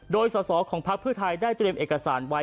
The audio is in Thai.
โดยสอสอของพักเพื่อไทยได้เตรียมเอกสารไว้